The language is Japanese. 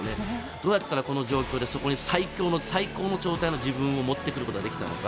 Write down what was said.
どうやったらこの状況で最高の状態の自分を持ってくることができたのか。